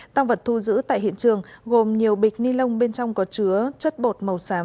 tăng vật thu giữ tại hiện trường gồm nhiều bịch ni lông bên trong có chứa chất bột màu xám